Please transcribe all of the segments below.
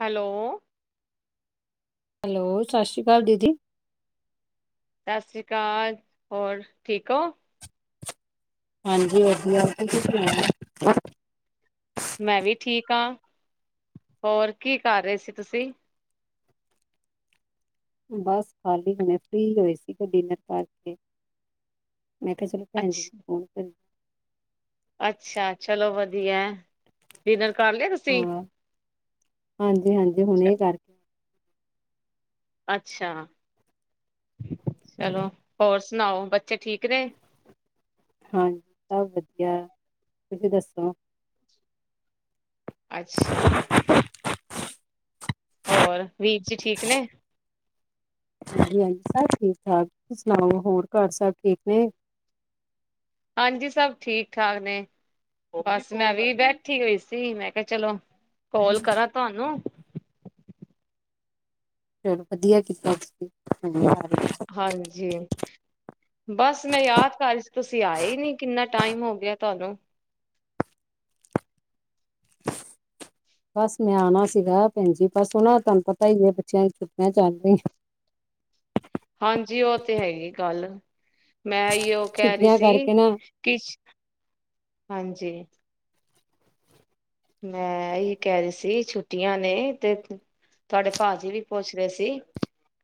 Hello hello ਸਤਿ ਸ਼੍ਰੀ ਅਕਾਲ ਦੀਦੀ ਸਤਿ ਸ਼੍ਰੀ ਅਕਾਲ ਹੋਰ ਠੀਕ ਹੋ ਹਾਂਜੀਧੀ ਕੀ ਸੁਣਾਣਾ ਮੈਂ ਵੀ ਠੀਕ ਹਾਂ ਹੋਰ ਕੀ ਕਰ ਰਹੇ ਸੀ ਤੁਸੀਂ ਬਸ ਖਾਲੀ ਹੁਣੇ ਫ੍ਰੀ ਹੋਏ ਸੀਗੇ ਡਿਨਰ ਕਰਕੇ ਮੈਂ ਕਿਹਾ ਚਲੋ ਭੈਣ ਜ ਅੱਛਾ ਫੋਨ ਕਰ ਅੱਛਾ ਚਲੋ ਵਧੀਆ ਵਧ ਹੈ ਹਾਂ ਹਾਂਜੀ ਹਾਂਜੀ ਹੁਣ ਇਹ ਕਰਕੇ ਅੱਛਾ ਚਲੋ ਹੋਰ ਸੁਣਾਓ ਬੱਚੇ ਠੀਕ ਨੇ ਹਾਂਜੀ ਸਭ ਵਧੀਆ ਤੁਸੀਂ ਦੱਸੋ ਅੱਛਾ ਹੋਰ ਵੀਰ ਜੀ ਠੀਕ ਨੇ ਹਾਂਜੀ ਹਾਂਜੀ ਸਭ ਠੀਕ ਠਾਕਂ ਸੁਣਾਓ ਹੋਰ ਘਰ ਸਭ ਠੀਕ ਨੇ ਹਾਂਜੀ ਸਭ ਠੀਕ ਠਾਕ ਨੇ ਬਸ ਮੈਂ ਵੀ ਬੈਠੀ ਹੋਈ ਸੀ ਮੈਂ ਕਿਹਾ ਚਲੋ ਕੋਾਲ ਕਰਾਂ ਤੁਹਾਨੂੰ ਚਲੋ ਵਧੀਆ ਕੀਤਾ ਤੁਸੀਂ ਹਾਂਜੀ ਬਸ ਮੈਂ ਯਾਦ ਕਰ ਤੁਸੀਂ ਆਏ ਨੀ ਕਿੰਨਾ ਟਾਈਮ ਹੋ ਗਿਆ ਤੁਹਾਨੂੰ ਬਸ ਮੈਂ ਆਣਾ ਸੀਗਾ ਭੈਣਜੀ ਬਸ ਉਹਓਨਾ ਤੁਹਾਨੂੰ ਪਤਾ ਹੀ ਬਛਿਆਂ ਨੂੰ ੁੱਟਿਆ ਚਾਹਦੀ ਹਾਂਜੀ ਉਹ ਤੇ ਹੈਗੀ ਗੱਲ ਮੈਂ ਹੀ ਉਹ ਕਹਿ ਰਹੀ ਛੁੱਟੀਆਂ ਸੀ ਕਰਕੇ ਨਾ ਕਿ ਹਾਂਜੀ ਮੈਂ ਇਹੀ ਕਹਿ ਰਹੀ ਸੀ ਛੁੱਟੀਆਂ ਨੇ ਤੇ ਤੁਹਾਡੇ ਭਾਜੀੀ ਵੀ ਪੁੱਛ ਰਹੇ ਸੀ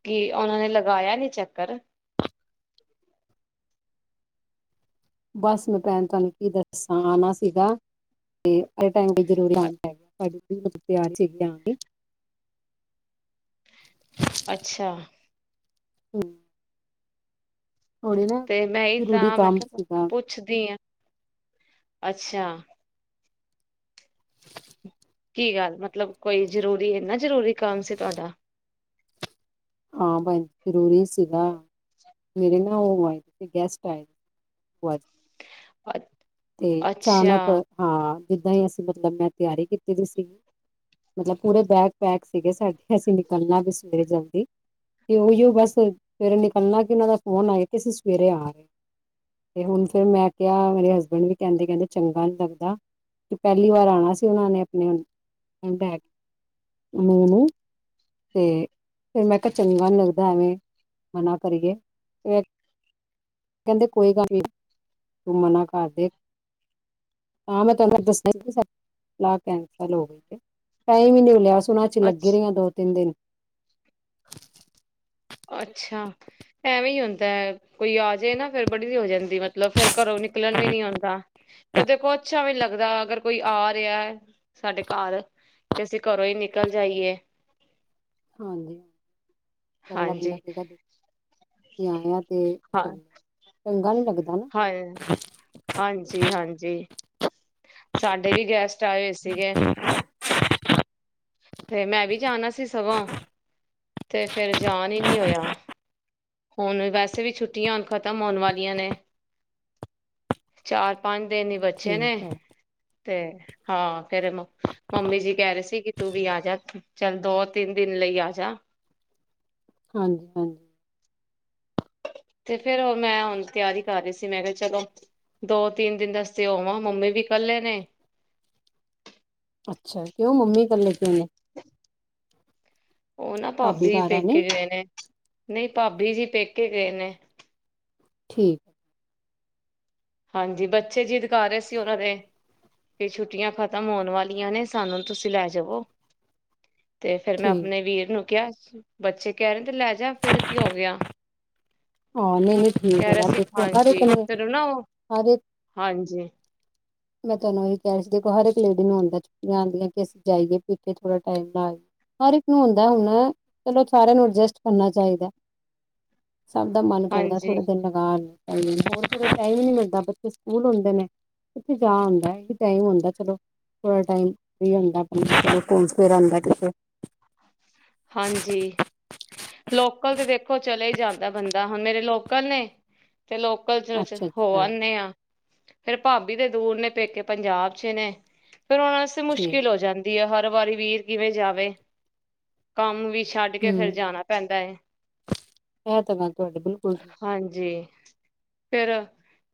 ਕਿ ਉਹਨਾਂ ਨੇ ਲਗਾਇਆ ਨੀ ਚੱਕਰ ਬਸ ਮੈਂ ਭੈਣ ਤੁਹਾਨੂੰ ਕੀ ਦੱਸਾਂ ਆਣਾ ਸੀਗਾ ਤੇ ਜ਼ਰੂਰ ਆਦਾ ਹੈ ਤੁ ਮਤਲਬ ਤਿਆਰ ਸੀਗੀ ਆਣ ਦੀ ਅੱਛਾ ਹੂੰ ਤੇ ਮੈਂ ਹੀ ਜ਼ਰੂਰੀ ਤਾਂ ਮੈਂ ਕੰਮ ਕਿਹਾ ਸੀਗਾ ਪੁੱਛਦੀ ਹਾਂ। ਅੱਛਾ। ਕੀ ਗੱਲ ਮਤਲਬ ਕੋਈ ਜ਼ਰੂਰੀ ਇੰਨਾ ਜ਼ਰੂਰੀ ਕੰਮ ਸੀ ਤੁਹਾਡਾ। ਹਾਂ ਭੈਣ ਜ਼ਰੂਰੀ ਸੀਗਾ ਮੇਰੇ ਨਾ ਉਹ ਆਏ ਗੈਸਟ ਆਏ। ਅਛਾ ਤੇ ਅਚਾਨਕ, ਹਾਂ। ਜਿੱਦਾਂ ਹੀ ਅਸੀਂ, ਮਤਲਬ ਮੈਂ, ਤਿਆਰੀ ਕੀਤੀ ਦੀ ਸੀਗੀ ਮਤਲਬ ਪੂਰੇ ਬੈਗ ਪੈਕ ਸੀਗੇ ਸਾਡੇ। ਅਸੀਂ ਨਿਕਲਣਾ ਵੀ ਸਵੇਰੇ ਜਲਦੀ। ਤੇ ਉਹੀਓ, ਬਸ ਫਿਰ ਨਿਕਲਣਾ ਕਿ ਉਹਨਾਂ ਦਾ ਫੋਨ ਆਇਆ ਕਿ ਅਸੀਂ ਸਵੇਰੇ ਆ ਗਏ। ਤੇ ਹੁਣ ਫਿਰ ਮੈਂ ਕਿਹਾ, ਮੇਰੇ ਹਸਬੈਂਡ ਕਹਿੰਦੇ ਕਹਿੰਦੇ, ਚੰਗਾ ਨੀ ਲੱਗਦਾ ਕਿ ਪਹਿਲੀ ਵਾਰ ਆਉਣਾ ਸੀ ਉਹਨਾਂ ਨੇ ਆਪਣੇ ਲੈ ਕੇ ਨੂੰਹ ਨੂੰ। ਤੇ ਫਿਰ ਮੈਂ ਕਿਹਾ, ਚੰਗਾ ਨੀ ਲੱਗਦਾ ਐਵੇਂ ਮਨਾ ਕਰੀਏ। ਕਹਿੰਦੇ, ਕੋਈ ਗੱਲ ਨੀ, ਤੂੰ ਮਨਾ ਕਰਦੇ ਹਾਂ, ਮੈਂ ਤੁਹਾਨੂੰ ਦਸਿਆ ਤੇ ਸੀ, ਸਾਡੀ ਸਲਾ ਕੈਂਕਲ ਹੋ ਗਈ ਹੈ। ਟਾਈਮ ਹੀ ਨਹੀਂ ਲਿਆਸ ਉਹਨਾਂ ਚ ਅੱਛ ਲੱਗੀ ਰਹੀਆਂ ਦੋ-ਤਿੰਨ ਦਿਨ। ਅੱਛਾ, ਐਵੇਂ ਹੀ ਹੁੰਦਾ। ਕੋਈ ਆ ਜਾਏ ਨਾ, ਫੇਰ ਬੜੀ ਹੋ ਜਾਂਦੀ ਮਤਲਬ ਫਿਰ ਘਰੋਂ ਨਿਕਲਣ ਵੀ ਨੀ ਆਉਂਦਾ ਫੇਰ। ਦੇਖੋ, ਅੱਛਾ ਵੀ ਨੀ ਲੱਗਦਾ। ਲੱਗਦਾ, ਅਗਰ ਕੋਈ ਆ ਰਿਹਾ ਸਾਡੇ ਘਰ, ਤੇ ਅਸੀਂ ਘਰੋਂ ਹੀ ਨਿਕਲ ਜਾਈਏ ਹਾਂਜੀ। ਅਗਲਾ ਬੰਦਾ ਹਾਂਜੀ ਕਹੇਗਾ ਕਿ ਆਨੇ ਆ ਤੇ ਹਾਂ ਚੰਗਾ ਨੀ ਲਗਦਾ ਹਾਂ, ਹਾਂਜੀ। ਜੀ, ਹਾਂਜੀ। ਸਾਡੇ ਵੀ ਗੈਸਟ ਆਏ ਹੋਏ ਸੀਗੇ। ਤੇ ਮੈਂ ਵੀ ਜਾਣਾ ਸੀ, ਸਗੋਂ ਤੇ ਫੇਰ ਜਾਣ ਹੀ ਨੀ ਹੋਇਆ। ਹੁਣ ਵੈਸੇ ਵੀ ਛੁੱਟੀਆਂ ਹੁਣ ਖ਼ਤਮ ਹੋਣ ਵਾਲੀਆਂ ਨੇ, ਚਾਰ-ਪੰਜ ਦਿਨ ਹੀ ਬਚੇ ਨੇ ਠੀਕ ਹੈ। ਤੇ ਹਾਂ, ਫੇਰ ਮੰਮੀ ਜੀ ਕਹਿ ਰਹੇ ਸੀ ਕਿ ਤੂੰ ਵੀ ਆ ਜਾ, ਚੱਲ ਦੋ-ਤਿੰਨ ਦਿਨ ਲਈ ਆ ਜਾ। ਹਾਂਜੀ, ਹਾਂਜੀ। ਤੇ ਫੇਰ, ਉਹ ਮੈਂ ਹੁਣ ਤਿਆਰੀ ਕਰ ਰਹੀ ਸੀ। ਮੈਂ ਕਿਹਾ, ਚਲੋ ਦੋ-ਤਿੰਨ ਦਿਨ ਦਸ ਹੋਵਾਂ, ਮੰਮੀ ਵੀ ਇਕੱਲੇ ਨੇ। ਅੱਛਾ ਜੀ, ਕਿਉਂ। ਮੰਮੀ ਕਲੇ ਕਿਉਂ ਨੇ। ਉਹ, ਨਾ ਭਾਬੀ ਪੇਕੇ ਗਏ ਨੇ, ਨਹੀਂ। ਭਾਬੀ ਜੀ, ਪੇਕੇ ਗਏ ਨੇ। ਠੀਕ। ਹਾਂਜੀ, ਬੱਚੇ ਜੀ ਜਿੱਦ ਕਰ ਰਹੇ ਸੀ। ਉਹਨਾਂ ਦੇ ਵੀ ਛੁੱਟੀਆਂ ਖਤਮ ਹੋਣ ਵਾਲੀਆਂ ਨੇ, ਸਾਨੂੰ ਤੁਸੀਂ ਲੈ ਜਾਵੋ। ਤੇ ਫੇਰ, ਮੈਂ ਠੀਕ ਆਪਣੇ ਵੀਰ ਨੂੰ ਕਿਹਾ ਬੱਚੇ ਕਹਿ ਰਹੇ, ਤੇ ਲੈ ਜਾ ਫਿਰ, ਕੀ ਹੋ ਗਿਆ। ਹਾਂ, ਨਹੀਂ-ਨਹੀਂ ਠੀਕ ਕਹਿ ਰਿਹਾ ਹੈ। ਸੀ ਦੇਖੋ, ਹਰ ਇਕ ਹਾਂਜੀ ਨੂੰ ਫੇਰ ਨਾ ਉਹ ਹਾਂਜੀ। ਮੈਂ ਤੁਹਾਨੂੰ ਇਹੀ ਕਹਿ ਰਹੀ ਸੀ। ਦੇਖ, ਹਰ ਇੱਕ ਲੇਡੀ ਨੂੰ ਆਉਂਦਾ ਚੁੱਟ ਆਉਂਦੀਆਂ ਕਿ ਅਸੀਂ ਜਾਈਏ, ਪੇਕੇ ਥੋੜ੍ਹਾ ਟਾਈਮ ਲਾ ਆਈਏ। ਹਰ ਇੱਕ ਨੂੰ ਆਉਂਦਾ ਹੁਣ ਚਲੋ, ਸਾਰਿਆਂ ਨੂੰ ਅਡਜਸਟ ਕਰਨਾ ਚਾਹੀਦਾ। ਸਭ ਦਾ ਮਨ ਕਰਦਾ ਹਾਂਜੀ ਥੋੜੇ ਦਿਨ ਲਗਾ ਆਇਏ। ਟਾਈਮ ਹੀ ਨੀ ਮਿਲਦਾ ਬੱਚੇ ਸਕੂਲ ਹੁੰਦੇ ਨੇ ਕਿਥੇ ਜਾ ਹੁੰਦਾ ਆਹੀ ਟਾਈਮ ਹੁੰਦਾ ਚਲੋ ਥੋੜਾ ਟਾਈਮ ਹਾਂਜੀ, ਲੋਕਲ ਤੇ ਦੇਖੋ, ਚਲੇ ਹੀ ਜਾਂਦਾ ਬੰਦਾ। ਹੁਣ ਮੇਰੇ ਲੋਕਲ ਨੇ। ਤੇ ਲੋਕਲ ਚ ਅੱਛਾ ਹੋ ਅੱਛਾ ਆਦੇ ਆ। ਫੇਰ ਭਾਬੀ ਦੇ ਦੂਰ ਨੇ, ਪੇਕੇ ਪੰਜਾਬ ਚ ਨੇੇ। ਫਿਰ ਆਉਣ ਵਾਸਤੇ ਠੀਕ ਮੁਸ਼ਕਿਲ ਹੋ ਜਾਂਦੀ ਹੈ ਹਰ ਹਰ ਵਾਰੀ ਵੀਰ ਕਿਵੇਂ ਜਾਵੇ? ਕੰਮ ਵੀ ਛੱਡ ਕੇ ਫਿਰ ਹੂੰ ਜਾਣਾ ਪੈਂਦਾ ਹੈ, ਇਹ ਤਾਂ ਗੱਲ ਤੁਹਾਡੀ ਬਿਲਕੁਲ ਠੀਕ ਹਾਂਜੀ। ਫੇਰ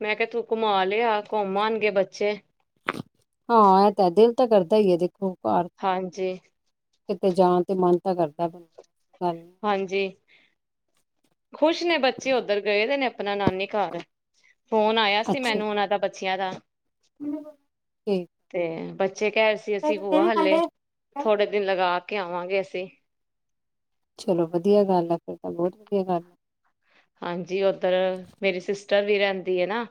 ਮੈਂ ਕਿਹਾ ਤੂੰ ਘੁੰਮਾ ਲਿਆ, ਘੁੰਮ ਆਉਣਗੇ ਬੱਚੇ। ਹਾਂ, ਇਹ ਤਾਂ ਹੈ, ਦਿਲ ਤਾਂ ਕਰਦਾ ਹੀ ਹੈ ਦੇਖੋ। ਘਰ ਹਾਂਜੀ। ਕਿਤੇ ਜਾਣ ਤੇ ਮਨ ਤਾਂ ਕਰਦੈ ਬ ਹਾਂਜੀ ਖੁਸ਼ ਨੇ ਬੱਚੇ ਉੱਧਰ ਗਏ ਦੇ ਨੇ ਆਪਣਾ ਨਾਨੀ ਘਰ ਫੋਨ ਆਇਆ ਸੀ ਅੱਛਾ ਮੈਨੂੰ ਉਹਨਾਂ ਦਾ ਬ ਬੱਚਿਆਂ ਦਾ। ਤੇ ਬ ਤੇ ਕਹਿ ਰਹੇ ਸੀ ਅਸੀਂ ਭੂਆ ਹੱਲੇ, ਥੋੜੇ ਦਿਨ ਲਗਾ ਕੇ ਆਵਾਂਗੇ ਅਸੀਂ। ਚਲੋ ਵਧੀਆ ਗੱਲ ਹੈ, ਫੇਰ ਤਾਂ ਬਹੁਤ ਵਧੀਆ ਗੱਲ ਹੈ। ਹਾਂਜੀ, ਉੱਧਰ ਮੇਰੀ ਸਿੱਸ ਸਿੱਸਟਰ ਵੀ ਰਹਿੰਦੀ ਹੈ ਨਾ।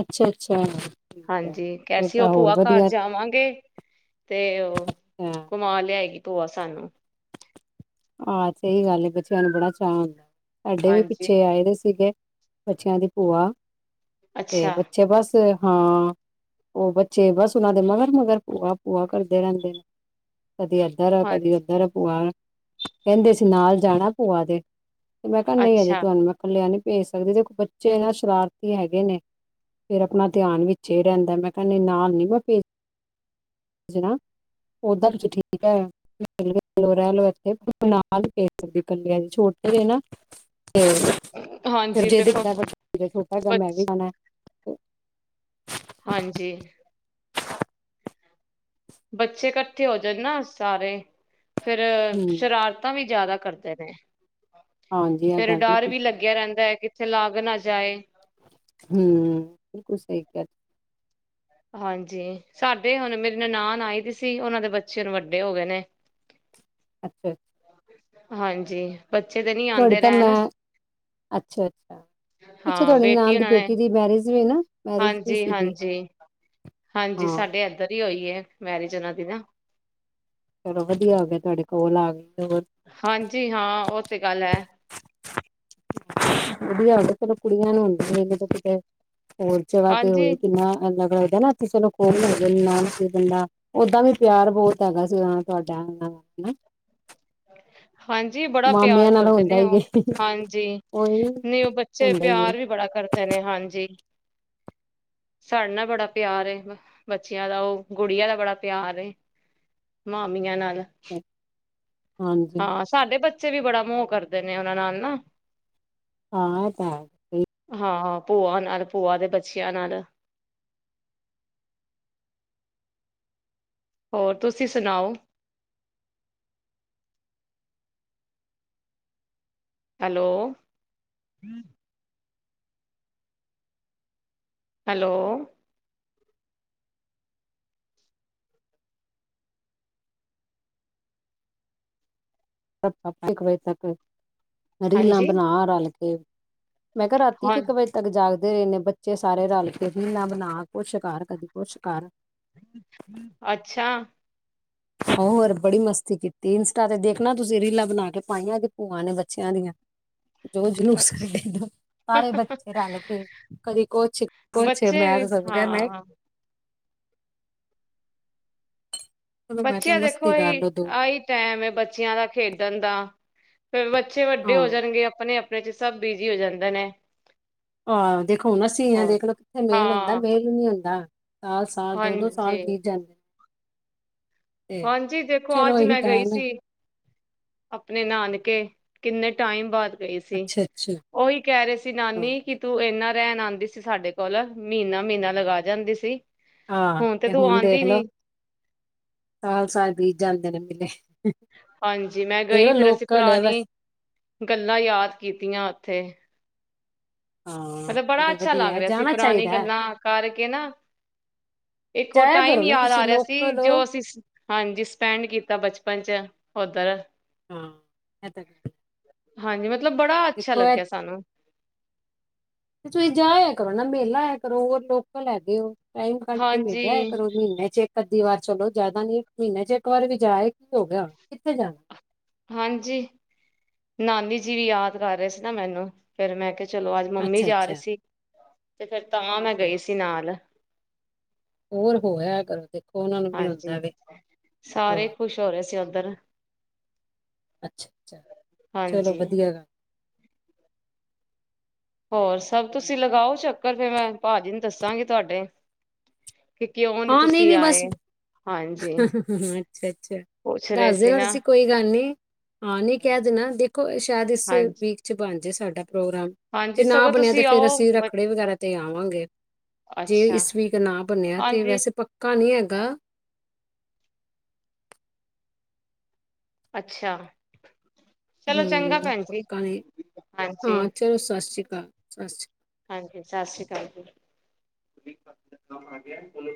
ਅੱਛਾ ਅੱਛਾ। ਠੀਕ ਆ ਹਾਂਜੀ, ਕਿਹਾ ਫਿਰ ਸੀ ਉਹ ਤਾਂ ਹੋਰ ਭੂਆ ਘਰ ਵਧੀਆ ਜਾਵਾਂਗੇ ਤੇ ਉਹ ਘੁੰਮਾ ਲਿਆਏਗੀ। ਭੂਆ ਸਾਨੂੰ। ਆਹ ਸਹੀ ਗੱਲ ਆ। ਬੱਚਿਆਂ ਨੂੰ ਬੜਾ ਚਾਅ ਆਉਂਦਾ ਵਾ। ਸਾਡੇ ਵੀ ਹਾਂਜੀ ਪਿੱਛੇ ਆਏ ਦੇ ਸੀਗੇ। ਬੱਚਿਆਂ ਦੀ ਭੂਆ। ਤੇ ਅੱਛਾ ਬੱਚੇ ਬਸ ਹਾਂ, ਉਹ ਬੱਚੇ ਬਸ ਉਹਨਾਂ ਦੇ ਮਗਰ ਮਗਰ ਭੂਆ ਭੂਆ ਕਰਦੇ ਰਹਿੰਦੇ ਨੇ। ਕਦੀ ਇੱਧਰ ਆ ਹਾਂਜੀ ਕਦੀ ਉੱਧਰ ਆ ਭੂਆ। ਕਹਿੰਦੇ ਸੀ ਨਾਲ ਜਾਣਾ ਭੂਆ ਦੇ। ਤੇ ਮੈਂ ਕਿਹਾ ਨਹੀਂ ਅਜੇ ਅੱਛਾ ਤੁਹਾਨੂੰ ਮੈਂ ਕੱਲਿਆ ਨਹੀਂ ਭੇਜ ਸਕਦੇ। ਦੇਖੋ, ਬੱਚੇ ਨਾ ਸ਼ਰਾਰਤੀ ਹੈਗੇ ਨੇ। ਫੇਰ ਆਪਣਾ ਧਿਆਨ ਵਿੱਚੇ ਰਹਿੰਦਾ। ਮੈਂ ਕਹਿੰਦੀ ਨਾਲ ਨੀ ਮੈਂ ਭੇਜ [inaudible] ਭੇਜਣਾ ਉਹਦਾ ਤੁਸੀਂ ਠੀਕ ਹੈ [unintelligible] ਰਹਿ ਲੋ। ਬਿਲਕੁਲ ਨਾਲ ਨਹੀਂ ਭੇਜ ਸਕਦੀ ਕੱਲਿਆਂ ਨੂੰ ਛੋਟੇ ਇਹ ਨਾ। ਤੇ ਫਿਰ ਹਾਂਜੀ ਜੇ ਦੇਖੋ ਦੇਖਦਾ ਵੱਡੇ ਨੂੰ [unintelligible] ਛੋਟਾ ਕਹਿੰਦਾ ਮੈਂ ਵੀ ਬੱਚ ਜਾਣਾ। [unintelligible] ਹਾਂਜੀ। ਬੱਚੇ ਇਕੱਠੇ ਹੋ ਜਾਣ ਨਾ ਸਾਰੇ ਫੇਰ ਸ਼ਰਾਰਤਾਂ ਵੀ ਜ਼ਿਆਦਾ ਕਰਦੇ ਨੇ ਹਾਂਜੀ ਆ ਫੇਰ, ਗੱਲ ਡਰ ਬਿਲਕੁਲ ਵੀ ਠੀਕ ਲੱਗਿਆਂ ਰਹਿੰਦਾ ਹੈ, ਕਿ ਚਲਾ ਵੀ ਨਾ ਜਾਏ ਹੂੰ, ਬਿਲਕੁਲ ਸਹੀ ਕਿਹਾ। ਹਾਂਜੀ, ਸਾਡੇ ਹੁਣ ਮੇਰੀ ਨਨਾਣ ਆਈ ਵੀ ਸੀ, ਉਹਨਾਂ ਦੇ ਬੱਚੇ ਨੂੰ ਵੱਡੇ ਹੋ ਗਏ ਨੇ। ਆ ਹਾਂਜੀ। ਬੱਚੇ ਤੇ ਨੀ ਤੁਹਾਡੇ ਆਉਂਦੇ ਤਾਂ ਰਹਿਣ, ਮੈਂ ਅੱਛਾ ਅੱਛਾ ਪਿੱਛੇ ਹਾਂ ਤੁਹਾਡੇ ਬੇਟੀ ਨਾਨ ਦੀ ਉਹਨਾਂ ਨੇ, ਦੀ ਮੈਰਿਜ ਵੀ ਨਾ ਮੈਰਿਜ ਵੀ ਹਾਂਜੀ ਸੀਗੀ ਹਾਂਜੀ ਹਾਂਜੀ ਹਾਂ ਸਾਡੇ ਇਧਰ ਹੀ ਹੋਈ ਐ, ਮੈਰਿਜ ਉਹਨਾਂ ਦੀ ਨਾ। ਚਲੋ ਵਧੀਆ ਆ ਗਿਆ, ਤੁਹਾਡੇ ਕੋਲ ਆ ਗਈ। ਹੋਰ ਹਾਂਜੀ ਹਾਂ, ਉਹ ਤੇ ਗੱਲ ਐ। ਵਧੀਆ, ਚਲੋ ਕੁੜੀਆਂ ਨੂੰ ਹੁੰਦੀਆਂ, ਜਦੋਂ ਕਿਤੇ ਹੋਰ ਜਗ੍ਹਾ ਤੇ ਹੋਏ, ਹਾਂਜੀ ਕਿੰਨਾ ਅਲੱਗ ਨਾ ਕਿਸੇ ਚਲੋ ਖਣ ਹੋਗੇ ਨ ਸੀ, ਓਦਾਂ ਵੀ ਪਿਆਰ ਬਹੁਤ ਹੈਗਾ ਸੀ ਤੁਹਾਡਾ, ਹੈਨਾ? ਹ ਹਾਂਜੀ, ਬੜਾ ਪਿਆਰ ਕਰਦੇ ਹੁੰਦਾ ਨੇ ਹੀ ਉਹ, ਹੈ ਹਾਂਜੀ ਉਹੀ ਨਹੀਂ ਉਹ ਬੱਚੇ ਹੁੰਦਾ ਹੀ ਪਿਆਰ ਵੀ ਬੜਾ ਕਰਦੇ ਨੇ ਹਾਂਜੀ। ਸਾਡੇ ਨਾਲ ਬੜਾ ਪਿਆਰ ਆ, ਬੱਚਿਆਂ ਦਾ ਉਹ ਗੁੜੀਆਂ ਦਾ ਬੜਾ ਪਿਆਰ ਆ, ਮਾਮੀਆਂ ਨਾਲ ਹੈ ਹਾਂ ਸਾਡੇ ਬੱ ਬੱਚੇ ਵੀ ਬੜਾ ਮੋਹ ਕਰਦੇ ਨੇ, ਉਹਨਾਂ ਨਾਲ ਨਾ। ਹਾਂ ਤਾਂ ਹਾਂ, ਭੂਆ ਹਨਾ, ਭੂਆ ਦੇ ਬੱਚਿਆਂ ਨਾਲ। ਹੋਰ ਤੁਸੀਂ ਸੁਣਾਓ? ਹੈਲੋ ਹੈਲੋ ਸ ਇੱਕ ਵਜੇ ਤੱਕ [unintelligible] ਰੀਲਾ ਹਾਂਜੀ ਬਣਾ ਇ ਮੈਂ ਕਿਹਾ, ਰਾਤੀ ਇੱਕ ਹਾਂ ਇੱਕ ਵਜੇ ਤੱਕ ਜਾਗ ਦੇ ਰਹੇ ਨੇ ਬੱਚੇ ਸਾਰੇ ਰਲ ਕੇਨਾ ਬਣਾ, ਕੁਛ ਕਰ ਕਦੀ ਕੁਛ ਕਰ। ਅੱਛਾ। ਹੋਰ ਬੜੀ ਮਸਤੀ ਕੀਤੀ, ਇੰਸਟਾ ਤੇ ਦੇਖਣਾ ਤੁਸੀਂ ਰੀਲਾਂ ਬਣਾ ਕੇ ਪਾਈਆਂ, ਭੂਆਂ ਨੇ ਬੱਚਿਆਂ ਦੀਆਂ। ਜੋ ਜੁਲੂਸ ਅੱਛਾ ਕੱਢਿਆਂ ਸਾਰੇ ਬੱਚੇ ਰਲ, ਕੇਏ ਕਦੀ ਕੁਛ ਕੁਛ ਬੱਚੇ ਮੈਂ ਵੀ ਤਾਂ ਸਗੋਂ ਕਿਹਾ ਮੈਂ ਹਾਂ ਚਲੋ ਮੈਂ ਕਿਹਾ ਬੱਚਿਆਂ ਦੇਖੋ, ਮਸਤੀ ਕਰ ਇਹਸੀ ਲੋ ਦੋ ਆਹੀ ਟੈਮ ਐ, ਬੱਚਿਆਂ ਦਾ ਖੇਡਣ ਦਾ। ਫੇਰ ਬੱਚੇ ਵੱਡੇ ਹਾਂ ਹੋ ਜਾਣਗੇ, ਆਪਣੇ ਆਪ ਆਪਣੇ ਚ ਸਭ ਬਿਜੀ ਹੋ ਜਾਂਦੇ ਨੇ। ਆਹੋ ਦੇਖੋ ਹੁਣ ਅਸੀਂ ਹੋਰ ਦੇਖਲਓ, ਕਿੱਥੇ ਮੇਲ ਹੁੰਦਾ, ਹਾਂ ਮੇਲ ਨੀ ਹੁੰਦਾ। ਸਾਲ ਸਾਲ ਦੋ ਦੋ ਸਾਲ ਹਾਂਜੀ ਬੀਤ ਜਾਂਦੇ ਤੇ ਹਾਂਜੀ ਦੇਖੋ ਚਲੋ ਅੱਜ ਇਹੀ ਮੈਂ ਗਈ ਟਾਈਮ ਹੈ ਸੀ ਆਪਣੇ ਨਾਨ ਕੇ ਕਿੰਨੇ ਟਾਈਮ ਬਾਅਦ ਗਈ ਸੀ ਅੱਛਾ ਅੱਛਾ ਉਹੀ ਕਹਿ ਰਹੇ ਸੀ ਨਾਨੀ ਹਾਂ ਕਿ ਤੂੰ ਇਨਾ ਰਹਿਣ ਆਉਂਦੀ ਸੀ ਸਾਡੇ ਕੋਲ ਮਹੀਨਾ ਮਹੀਨਾ ਲਗਾ ਜਾਂਦੀ ਸੀ ਹਾਂ ਤੇ ਤੂੰ ਹੁਣ ਆਉਂਦੀ ਦੇਖਲੋ ਨੀ ਸਾਲ ਸਾਲ ਬੀ ਜਾੱਲਦੇ ਨੇ ਮਲੇ ਹਾਂਜੀ ਮੈਂ ਗਈ ਫਿਰ ਅਸੀਂ ਹੈ ਪੁਰਾਣੀ ਬਸ ਗੱਲਾਂ ਯਾਦ ਕੀਤੀਆਂ ਉੱਥੇ [unintelligible] ਹਾਂ ਮਤਲਬ ਬੜਾ ਚਲੋ ਅੱਛਾ ਵਧੀਆ ਲੱਗ ਹੈ ਰਿਹਾ ਸੀ ਜਾਣਾ ਪੁਰਾਣੀ ਚਾਹੀਦਾ ਹੈ ਗੱਲਾਂ ਕਰਕੇ ਨਾ ਇੱਕ ਉਹ ਜਾਇਆ ਟਾਈਮ ਕਰੋ ਨਾ ਯਾਦ ਤੁਸੀਂ ਆ ਰਿਹਾ ਸੀ ਲੋਕਲ ਹੋ ਜੋ ਅਸੀਂ ਹਾਂਜੀ ਸਪੈਂਡ ਕੀਤਾ ਬਚਪਨ ਚ ਹੋਦਾਰ ਹਾਂ ਇਹ ਤਾਂ ਗ ਹਾਂਜੀ ਮੈਂ ਮਤਲਬ ਬੜਾ ਅੱਛਾ ਲੱਗਿਆ ਸਾਨੂੰ ਤੇ ਤੁਸੀਂ ਜਾ ਆਆ ਕਰੋ ਨਾ ਮੇਲਾ ਆਇਆ ਕਰੋ ਉਹ ਲੋਕਲ ਹੈਗੇ ਹੋ ਟਾਈਮ ਕੱਢ ਕੇ ਹਾਂਜੀ ਮਿਲਿਆ ਕਰੋ ਮਹੀਨੇ ਚੇ ਵਾਰ ਚਲੋ ਜਿਆਦਾ ਨੀ ਮਹੀਨੇ ਚ ਇੱਕ ਵਾਰ ਵੀ ਜਾਏ ਕੀ ਹੋ ਗਿਆ ਕਿੱਥੇ ਜਾਣਾ ਹਾਂਜੀ ਨਾਨੀ ਜੀ ਵੀ ਯਾਦ ਕਰ ਰਹੇ ਸੀ ਨਾ ਮੈਨੂੰ ਫੇਿਰ ਮੈਂ ਕਿਹਾ ਚਲੋ ਅੱਜ ਮੰਮੀ ਅੱਛਾ ਜਾ ਰਹੀ ਅੱਛਾ ਸੀ ਤੇਥ ਤਾਂ ਮੈਂ ਤੇ ਗਈ ਸੀ ਨਾਲ ਹੋਰ ਹੋਇਆ ਕਰੋ ਫ ਹਾਂਜੀ ਹਾਂ ਸਾਰੇ ਖੁਸ਼ ਹੋ ਰਹੇ ਸੀ ਅੰਦਰਰ ਅੱਛਾ ਅੱਛਾ ਚਲੋ ਵਧੀਆ ਗੱਲ ਹੋਰ ਸਭ ਤੁਸੀਂ ਲਗਾਓ ਚੱਕਰ ਫਿਰ ਮੈਂ ਭਾਜੀੀ ਨੂੰ ਦੱਸਾਂਗੀ ਤੁਹਾਡੇ ਕਿ ਕਿਉਂ ਨੀ ਹਾਂ ਨਹੀਂ ਤੁਸੀਂ ਨਹੀਂ ਬਸ ਆਏ ਹਾਂਜੀ ਅੱਛਾ ਅੱਛਾ ਪੁੱਛ ਰਹੇ ਦੱਸ ਸੀ ਦੇਣਾ ਨਾ ਤੁਸੀਂ ਕੋਈ ਗੱਲ ਨਹੀਂ ਹਾਂ ਨਹੀਂ ਕਹਿ ਦੇਣਾ ਦੇਖੋ ਸ਼ਾਇਦ ਇਸ ਹਾਂਜੀ ਵੀਕ ਚ ਬਣ ਜੇ ਸਾਡਾ ਪ੍ਰੋਗਰਾਮ ਜੇ ਹਾਂਜੀ ਨਾ ਸਗੋਂ ਬਣਿਆ ਤੇ ਤੁਸੀਂ ਫੇਰ ਆਓ ਅਸੀਂ ਬ ਰੱਖੜੇ ਵਗੈਰਾ ਤੇ ਆਵਾਂਗੇ ਜੇ ਅੱਛਾ ਇਸ ਵੀਕ ਨਾ ਬਣਿਆ। ਤੇ ਹਾਂਜੀ ਵੈਸੇ ਪੱਕਾ ਨਹੀਂ ਹੈਗਾ। ਅੱਛਾ ਚਲੋ ਚੰਗਾ ਹੂੰ ਭੈਣ ਜੀ ਪੱਕਾ ਨੀ ਹਾਂਜੀ ਹਾਂ ਚਲੋ ਸਤਿ ਸ੍ਰੀ ਅਕਾਲ। [unintelligible] ਹਾਂਜੀ ਸਤਿ ਸ੍ਰੀ ਅਕਾਲ ਜੀ।